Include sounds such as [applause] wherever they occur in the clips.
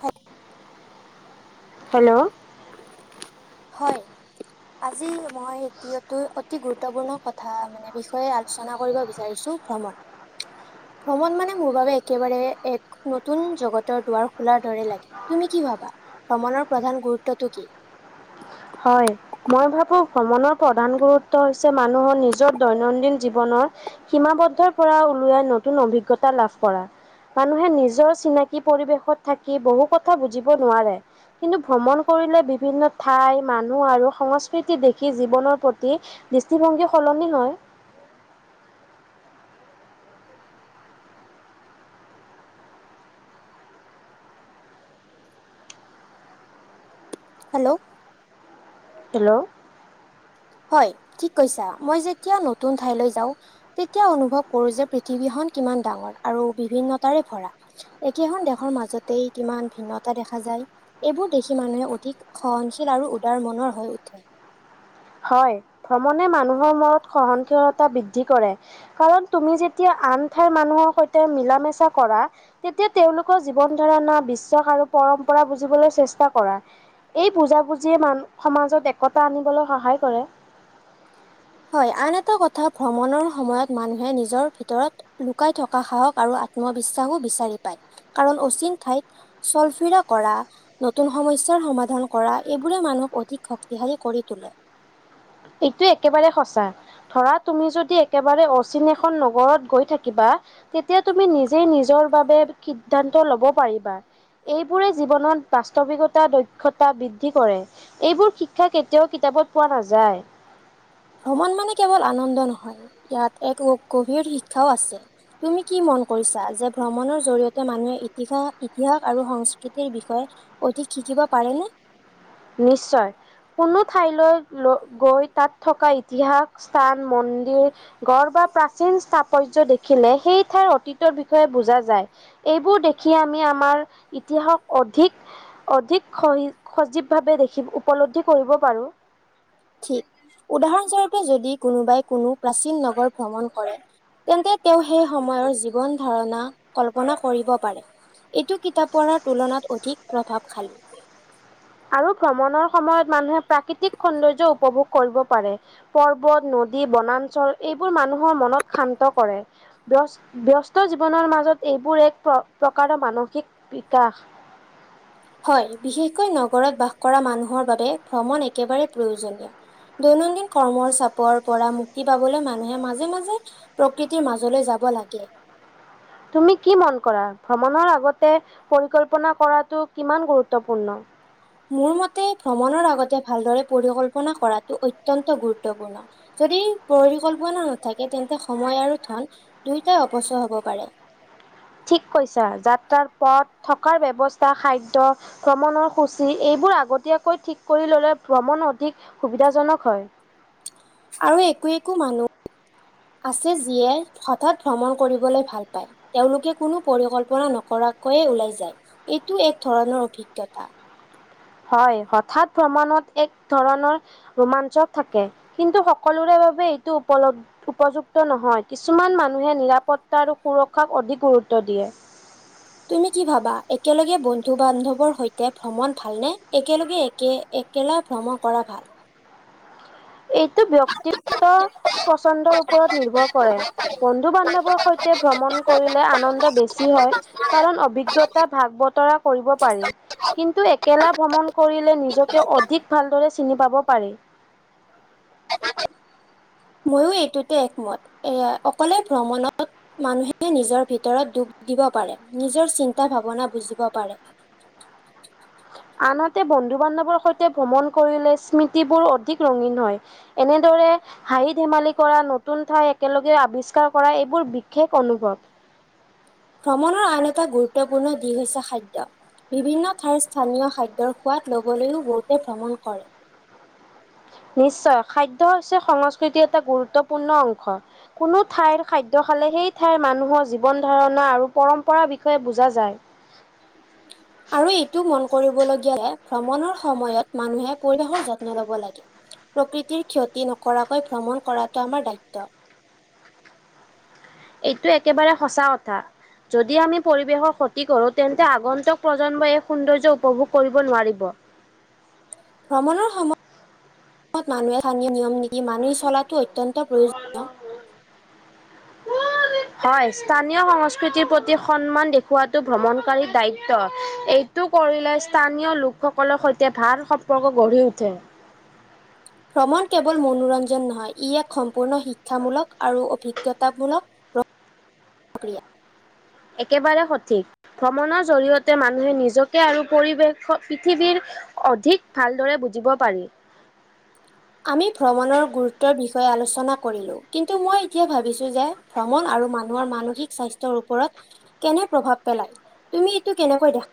হাত [unintelligible] হেল্ল'? হয়, আজি মই এতিয়ায়ো অতি গুৰুত্বপূৰ্ণ কথা মানে। এনে বিষয়ে আলোচনা কৰিব বিচাৰিছো ভ্ৰমণ। ভ্ৰমণ মানে মোৰ বাবে একেবাৰে এক নতুন জগতৰ দুৱাৰ খোলাৰ দৰে লাগে। তুমি কি ভাবা, ভ্ৰমণৰ প্ৰধান গুৰুত্বটো কি? হয়। মই ভাবো ভ্ৰমণৰ প্ৰধান গুৰুত্ব হৈছে মানুহৰ নিজৰ দৈনন্দিন জীৱনৰ সীমাবদ্ধৰ পৰা ওলৱাই নতুন অভিজ্ঞতা লাভ কৰা। মানুহে নিজৰ চিনাকি পৰিৱেশত থাকি বহু কথা বুজিব নোৱাৰে। কিন্তু ভ্ৰমণ কৰিলে বিভিন্ন ঠাই মানুহ আৰু সংস্কৃতি দেখি জীৱনৰ প্ৰতি দৃষ্টিভংগী সলনি হয়। হেল্ল' হেল্ল' হয় ঠিক কৈছা। মই যেতিয়া নতুন ঠাইলৈ যাও তেতিয়া অনুভৱ কৰো যে পৃথিৱীখনন কিমান ডাঙৰ আৰু বিভিন্নতাৰে ভৰা। একেখন দেশৰ মাজতেই কিমান ভিন্নতা দেখা যায়। এইবোৰ দেখি মানুহে অধিক সহনশীল আৰু উদাৰ মনৰ হৈ উঠে। হয়, ভ্ৰমণে মানুহৰ মূৰত সহনশীলতা বৃদ্ধি কৰে। কাৰণ, তুমি যেতিয়া আন ঠাইৰ মানুহৰ সৈতে মিলা মেচা কৰা তেতিয়া তেওঁলোকৰ জীৱন ধাৰণা বিশ্বাস আৰু পৰম্পৰা বুজিবলৈ চেষ্টা কৰা। এই বুজাবুজি মান সমাজত একতা আনিবলৈ সহায় কৰে। হয়, আন এটা কথা ভ্ৰমণৰ সময়ত মানুহে নিজৰ ভিতৰত লুকাই থকা সাহস আৰু আত্মবিশ্বাসো বিচাৰি পায় কাৰণ অচিন ঠাইত চলফিৰা কৰা। নতুন সমস্যাৰ সমাধান কৰা এইবোৰে মানুহক অধিক শক্তিশালী কৰি তোলে। এইটোয়ে একেবাৰে সঁচা। ধৰা তুমি যদি একেবাৰে অচিন এখন নগৰত গৈ থাকিবা। তেতিয়া তুমি নিজেই নিজৰ বাবে সিদ্ধান্ত ল'ব পাৰিবা। এইবোৰে জীৱনত বাস্তৱিকতা দক্ষতা বৃদ্ধি কৰে। এইবোৰ শিক্ষা কেতিয়াও কিতাপত পোৱা নাযায়। ভ্ৰমণ মানে কেৱল আনন্দ নহয় ইয়াত এক গভীৰ শিক্ষাও আছে। তুমি কি মন কৰিছা? যে ভ্ৰমণৰ জৰিয়তে মানুহে ইতিহাস ইতিহাস আৰু সংস্কৃতিৰ বিষয়ে অধিক শিকিব পাৰে নে? নিশ্চয়। কোনো ঠাইলৈ গৈ তাত ইতিহাস স্থান মন্দিৰ গঢ় বা প্ৰাচীন স্থাপত্য দেখিলে সেই ঠাইৰ অতীতৰ বিষয়ে বুজা যায়। এইবোৰ দেখি আমি আমাৰ ইতিহাসক অধিক অধিক স সজীৱ ভাৱে দেখি উপলব্ধি কৰিব পাৰোঁ। ঠিক। উদাহৰণস্বৰূপে যদি কোনোবাই কোনো প্ৰাচীন নগৰ ভ্ৰমণ কৰে তেন্তে তেওঁ সেই সময়ৰ জীৱন ধাৰণা কল্পনা কৰিব পাৰে। এইটো কিতাপ পঢ়াৰ তুলনাত অধিক প্ৰভাৱশালী। আৰু ভ্ৰমণৰ সময়ত মানুহে প্ৰাকৃতিক সৌন্দৰ্য উপভোগ কৰিব পাৰে, পৰ্বত, নদী, বনাঞ্চল এইবোৰে মানুহৰ মনত শান্ত কৰে। ব্যস ব্যস্ত জীৱনৰ মাজত এইবোৰ এক প্ৰ প্ৰকাৰৰ মানসিক বিকাশ। হয়। বিশেষকৈ নগৰত বাস কৰা মানুহৰ বাবে ভ্ৰমণ একেবাৰে প্ৰয়োজনীয়। দৈনন্দিন কৰ্মৰ চাপৰ পৰা মুক্তি পাবলৈ মানুহে মাজে মাজে প্ৰকৃতিৰ মাজলৈ যাব লাগে। তুমি কি মন কৰা, ভ্ৰমণৰ আগতে পৰিকল্পনা কৰাটো কিমান গুৰুত্বপূৰ্ণ? মোৰ মতে ভ্ৰমণৰ আগতে ভালদৰে পৰিকল্পনা কৰাটো অত্যন্ত গুৰুত্বপূৰ্ণ। যদি পৰিকল্পনা নাথাকে তেন্তে সময় আৰু দুয়োটাই অপচয় হ'ব পাৰে। ঠিক কৈছা। যাত্ৰাৰ পথ থকাৰ ব্যৱস্থা খাদ্য ভ্ৰমণৰ সূচী এইবোৰ আগতীয়াকৈ ঠিক কৰি ললে ভ্ৰমণ অধিক সুবিধাজনক হয়। আৰু একো একো মানুহ আছে যিয়ে হঠাৎ ভ্ৰমণ কৰিবলৈ ভাল পায়। তেওঁলোকে কোনো পৰিকল্পনা নকৰাকৈয়ে ওলাই যায়, এইটো এক ধৰণৰ অভিজ্ঞতা। হয়, হঠাৎ ভ্ৰমণত এক ধৰণৰ ৰোমাঞ্চক থাকে, কিন্তু সকলোৰে বাবে এইটো উপলব উপযুক্ত নহয়, কিছুমান মানুহে নিৰাপত্তা আৰু সুৰক্ষাক অধিক গুৰুত্ব দিয়ে। তুমি কি ভাবা? একেলগে বন্ধু বান্ধৱৰ সৈতে ভ্ৰমণ ভালনে? একেলগে একে একেলা ভ্ৰমণ কৰা ভাল। এইটো ব্যক্তিগত পচন্দৰ ওপৰত নিৰ্ভৰ কৰে। বন্ধু বান্ধবৰ সৈতে ভ্ৰমণ কৰিলে আনন্দ বেছি হয়। কাৰণ অভিজ্ঞতা ভাগ বতৰা কৰিব পাৰি। কিন্তু একেলা ভ্ৰমণ কৰিলে নিজকে অধিক ভালদৰে চিনি পাব পাৰি। ময়ো এইটোতে একমত, এয়া অকলে ভ্ৰমণত মানুহে নিজৰ ভিতৰত দুখ দিব পাৰে, নিজৰ চিন্তা ভাৱনা বুজিব পাৰে। আনহাতে বন্ধু বান্ধৱৰ সৈতে ভ্ৰমণ কৰিলে স্মৃতিবোৰ অধিক ৰঙীন হয়। এনেদৰে হাঁহি ধেমালি কৰা, নতুন ঠাই একেলগে আৱিষ্কাৰ কৰা এইবোৰ বিশেষ অনুভৱ। ভ্ৰমণৰ আন এটা গুৰুত্বপূৰ্ণ দিশ হৈছে খাদ্য। বিভিন্ন ঠাইৰ স্থানীয় খাদ্যৰ সোৱাদ ল'বলৈও বহুতে ভ্ৰমণ কৰে। নিশ্চয়, খাদ্য হৈছে সংস্কৃতিৰ এটা গুৰুত্বপূৰ্ণ অংশ। কোনো ঠাইৰ খাদ্য খালে সেই ঠাইৰ মানুহৰ জীৱন ধৰণা আৰু পৰম্পৰাৰ বিষয়ে বুজা যায়। আৰু এইটো মন কৰিবলগীয়া যে ভ্ৰমণৰ সময়ত মানুহে পৰিৱেশৰ যত্ন ল'ব লাগে। প্ৰকৃতিৰ ক্ষতি নকৰাকৈ ভ্ৰমণ কৰাটো আমাৰ দায়িত্ব। এইটো একেবাৰে সঁচা কথা। যদি আমি পৰিৱেশৰ ক্ষতি কৰোঁ তেন্তে আগন্তুক প্ৰজন্মই এক সৌন্দৰ্য উপভোগ কৰিব নোৱাৰিব। ভ্ৰমণৰ সময়ত মানুহে স্থানীয় নিয়ম নীতি মানি চলাটো অতয়ন্ত প্ৰয়োজ নীয় হয়, স্থানীয় সংস্কৃতিৰ প্ৰতি সন্মান দেখওৱাতটো ভ্ৰমণকাৰী দায়িত্ব। এই টো কৰিলে স্থানীয় লোকসকলৰ সৈতে ভাল সম্পৰ্ক গঢ়ি উঠে। ভ্ৰমণ কেৱল মনোৰঞ্জন নহয়, ই এক সম্পূৰ্ণ শিক্ষামূলক আৰু অভিজ্ঞতামূলক প্ৰক্ৰিয়া। একেবাৰে সঠিক, ভ্ৰমণৰ জৰিয়তে মানুহে নিজকে আৰু পৰিৱেশ পৃথিৱীৰ অধিক ভালদৰে বুজিব পাৰি। আমি ভ্ৰমণৰ গুৰুত্বৰ বিষয়ে আলোচনা কৰিলো, কিন্তু মই এতিয়া ভাবিছো যে ভ্ৰমণ আৰু মানুহৰ মানসিক স্বাস্থ্যৰ ওপৰত কেনে প্ৰভাৱ পেলাই, তুমি এইটো কেনেকৈ দেখা?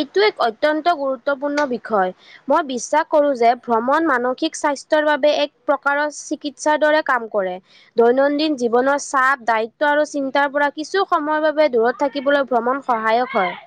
এইটো এক অত্যন্ত গুৰুত্বপূৰ্ণ বিষয়। মই বিশ্বাস কৰো যে ভ্ৰমণ মানসিক স্বাস্থ্যৰ বাবে এক প্ৰকাৰৰ চিকিৎসাৰ দৰে কাম কৰে। দৈনন্দিন জীৱনৰ চাপ দায়িত্ব আৰু চিন্তাৰ পৰা কিছু সময়ৰ বাবে দূৰত থাকিবলৈ ভ্ৰমণ সহায়ক হয়।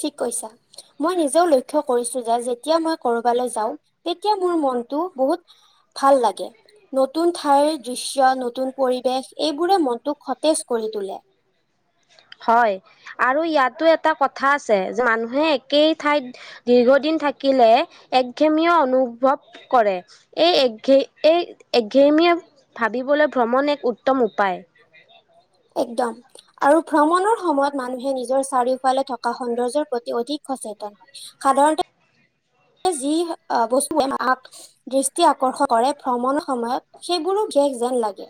ঠিক কৈছা। মই নিজেও লক্ষ্য কৰিছো, যে যেতিয়া মই কৰবালৈ যাওঁ, তেতিয়া মোৰ মনটো বহুত ভাল লাগে। নতুন ঠাইৰ দৃশ্য নতুন পৰিৱেশ এইবোৰে মনটোক সতেজ কৰি তোলে। হয়, আৰু ইয়াতো এটা কথা আছে, যে মানুহে একেই ঠাইত দীৰ্ঘদিন থাকিলে একঘেমীয় অনুভৱ কৰে। এই ঘে এক এঘেৰি ভ্ৰমণ এক উত্তম উপায়। একদম। আৰু ভ্ৰমণৰ সময়ত মানুহে নিজৰ চাৰিওফালে থকা সৌন্দ্যৰ প্ৰতি অধিক সচেতন হ'য়। সাধাৰণতে, [unintelligible] যি [unintelligible] বস্তু দৃষ্টি আকৰ্ষণ কৰে, ভ্ৰমণৰ সময়ত সেইবোৰো জেক যেন লাগে।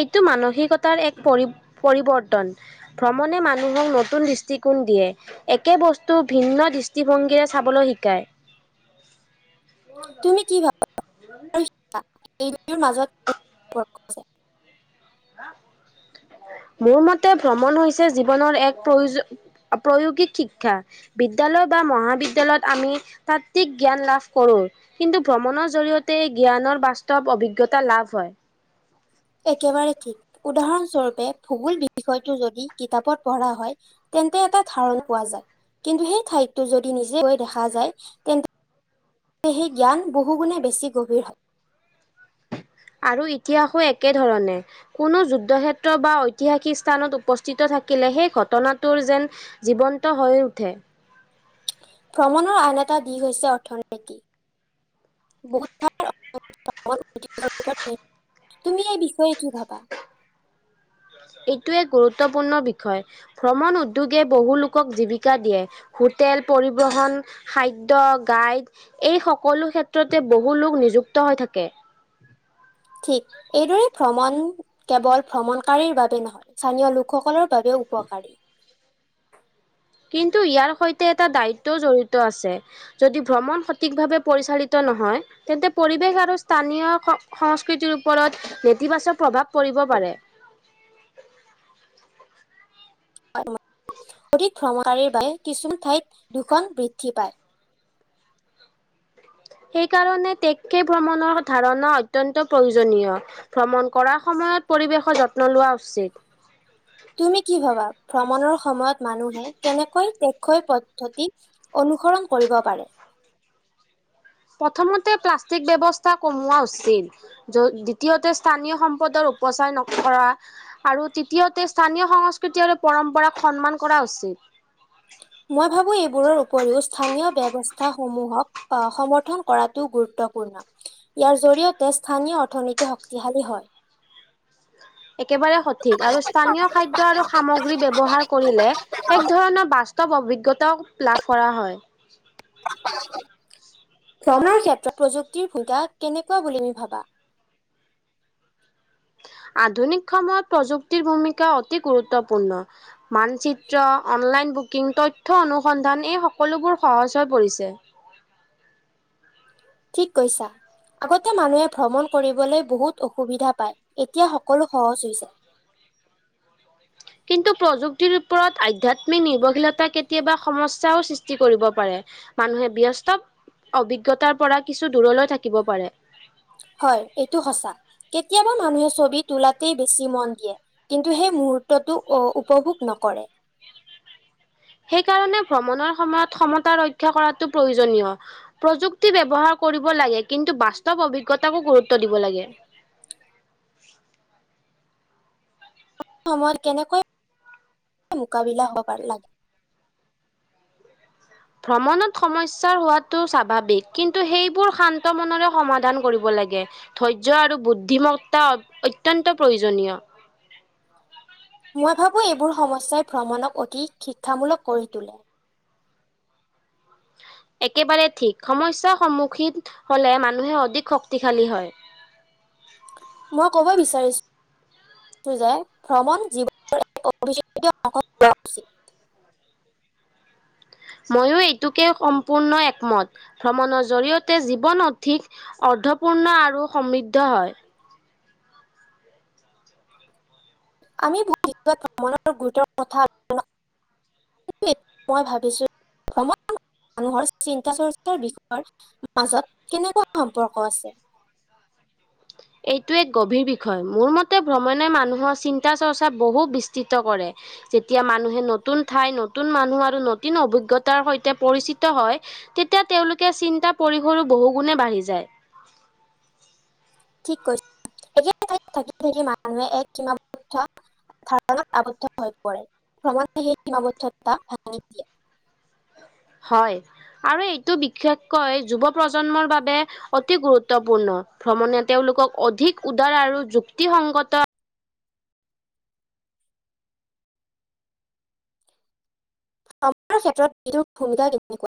এইটো মানসিকতাৰ এক পৰি, পৰিৱৰ্তন। ভ্ৰমণে মানুহক নতুন দৃষ্টিকোণ দিয়ে। একে বস্তু ভিন্ন দৃষ্টিভংগীৰে চাবলৈ শিকায়। তুমি কি ভাবা [unintelligible] মাজত [unintelligible] [inaudible] মোৰ মতে ভ্ৰমণ হৈছে, জীৱনৰ এক প্ৰয়ো, প্ৰয়োগিক শিক্ষা। বিদ্যালয় বা মহাবিদ্যয়ালয়ত আমি তাত্বিক জ্ঞান লাভ কৰো। কিন্তু ভ্ৰমণৰ জৰি়য়তে জ্ঞানৰ বাস্তৱ অভিজ্ঞতা লাভ হয়। একেবাৰে ঠিক, উদাহৰণ স্বৰূপে ভূগোল বিষয়টো যদি কিতাপত পঢ়া হয় তেন্তে এটা ধাৰণ কোৱা যায়। কিন্তু সেই ঠাইততো যদি নিজে গৈ দেখা যায় তেন্তে সেই জ্ঞান বহুগুণে বেছি গভীৰ হয়। আৰু ইতিহাসো একে ধৰণে কোনো যুদ্ধ ক্ষেত্ৰ বা ঐতিহাসিক স্থানত উপস্থিত থাকিলে, সেই ঘটনাটোৰ যেন জীৱন্ত হৈ উঠে। ভ্ৰমণৰ আন এটা দিশ হৈছে অৰ্থনীতি, [unintelligible] [unintelligible] তুমি এই বিষয়ে কি ভাবা? এইটো এক গুৰুত্বপূৰ্ণ বিষয়, ভ্ৰমণ উদ্যোগে বহু লোকক জীৱিকা দিয়ে। হোটেল, পৰিবহণ, খাদ্য, গাইড এই সকলো ক্ষেত্ৰতে বহু লোক নিযুক্ত হৈ থাকে। ঠিক, এইদৰে ভ্ৰমণ কেৱল ভ্ৰমণকাৰীৰ বাবে নহয়, স্থানীয় লোক সকলৰ বাবেও উপকাৰী। কিন্তু ইয়াৰ সৈতে এটা দাইতত জড়িত আছে। যদি ভ্ৰমণ সঠিক ভাৱে পৰিচালিত নহয় তেন্তে পৰিৱেশ আৰু স্থানীয় সংস্কৃতিৰ ওপৰত নেতিবাচক প্ৰভাৱ পৰিব পাৰে। হয়। অধিক ভ্ৰমণীৰ বাবে কিছুমান ঠাইত, প্ৰদূষণ বৃদ্ধি পায়। সেইকাৰণে টেকে ভ্ৰমণৰ ধাৰণা অত্যন্ত প্ৰয়োজনীয়। ভ্ৰমণ কৰাৰ সময়ত পৰিৱেশৰ যত্ন লোৱা উচিত। তুমি কি ভবা, ভ্ৰমণৰ সময়ত মানুহে কেনেকৈ [unintelligible] পদ্ধতি অনুসৰণ কৰিব পাৰে। প্ৰথমতে প্লাষ্টিক ব্যৱস্থা কমোৱা উচিত। য' দ্বিতীয়তে স্থানীয় সম্পদৰ উপচাৰ নকৰা। আৰু তৃতীয়তে স্থানীয় সংস্কৃতি আৰু পৰম্পৰাক সন্মান কৰা উচিত। মই ভাবো এইবোৰৰ উপৰিও স্থানীয় ব্যৱস্থা সমূহক অ', সমৰ্থন কৰাটোও গুৰুত্বপূৰ্ণ। ইয়াৰ জৰিয়তে স্থানীয় অৰ্থনীতি শক্তিশালী হ'য়। একেবাৰে সঠিক, আৰু স্থানীয় খাদ্য আৰু সামগ্ৰী বুলি ব্যৱহাৰ কৰিলে, এক ধৰণৰ বাস্তৱ অভিজ্ঞতাও লাভ কৰা হয়। ভ্ৰমনৰ ক্ষেত্ৰত প্ৰযুক্তিৰ সুবিধা কেনেকুৱা বুলি তুমি ভাবা? আধুনিক সময়ত প্ৰযুক্তিৰ ভূমিকা অতি গুৰুত্বপূৰ্ণ। মানচিত্ৰ অনলাইন বুকিং তথ্য অনুসন্ধান এই সকলোবোৰ সহজ হৈ পৰিছে। ঠিক কৈছা। আগতে মানুহে ভ্ৰমণ কৰিবলৈ বহুত অসুবিধা পায় এতিয়া সকলো সহজ হৈ যায়। [unintelligible] কিন্তু প্ৰযুক্তিৰ ওপৰত আধ্যাত্মিক নিৰ্ভৰশীলতা কেতিয়াবা সমস্যাও সৃষ্টি কৰিব পাৰে। মানুহে ব্যস্ত অভিজ্ঞতাৰ পৰা কিছু দূৰলৈ থাকিব পাৰে। হয়ঁ এইটো সঁচা কেতিয়াবা মানুহে ছবি তোলাতেই বেছি মন দিয়ে। কিন্তু সেই মুহুৰ্তটো অ উপভোগ নকৰে। সেইকাৰণে ভ্ৰমণৰ সময়ত ক্ষতা ৰক্ষা কৰাটো প্ৰয়োজনীয়। প্ৰযুক্তি ব্যৱহাৰ কৰিব লাগে কিন্তু বাস্তৱ অভিজ্ঞতাকো গুৰুত্ব দিব লাগে। এইটো সময়ত কেনেকৈ মোকাবিলা হৱ পাৰে লাগে। ভ্ৰমণত সমস্যাৰ হোৱাটো স্বাভাৱিক কিন্তু সেইবোৰ শান্ত মনেৰে সমাধান কৰিব লাগে। ধৈৰ্য্য আৰু বুদ্ধিমত্তা অত্যন্ত প্ৰয়োজনীয়। মই ভাবো এইবোৰ সমস্যাই ভ্ৰমণক অতি শিক্ষামূলক কৰি তোলে। একেবাৰে ঠিক সমস্যাৰ সন্মুখীন হলে মানুহে অধিক শক্তিশালী হয়ঁ। মই ক'ব বিচাৰিছোঁ - যে ভ্ৰমণ জীৱনৰ এক অভি অংশ লোৱা উচিত। ময়ো এইটোকে সম্পূৰ্ণ একমত ভ্ৰমণৰ জৰিয়তে জীৱন অধিক- অৰ্ধপূৰ্ণ আৰু সমৃদ্ধ হয়ঁ। আমি বুজি পোৱা ভ্ৰমণৰ গুৰুত্বৰ কথা আলোচনা - মই ভাবিছোঁ ভ্ৰমন মানুহৰ চিন্তা চৰ্চাৰ বিষয়ৰ মাজত কেনেকুৱা সম্পৰ্ক আছে। এইটো গভীৰ বিষয় মোৰ মতে ভ্ৰমণে মানুহৰ চিন্তা চৰ্চা বহু বিস্তৃত কৰে। যেতিয়া মানুহে নতুন ঠাই নতুন মানুহ আৰু নতুন অভিজ্ঞতাৰ সৈতে পৰিচিত হয়ঁ। তেতিয়া তেওঁলোকে চিন্তা পৰিসৰো বহু গুণে বাঢ়ি যায়। ঠিক কৈছ একে থাকি থাকি মানুহে এক কিনা বেচা। ধাৰণাত আৱদ্ধ হৈ পৰে ভ্ৰমণে সেই সীমাবদ্ধতা ভাঙি দিয়ে। হয়ঁ আমি এইটো বিশেষকৈ যুৱপ্ৰজন্মৰ বাবে- অতি গুৰুত্বপূৰ্ণ ভ্ৰমণে তেওঁলোকক অধিক উদাৰ আৰু যুক্তিসংগত- আপোনাৰ ক্ষেত্ৰত এইটোৰ ভূমিকা কেনেকুৱা?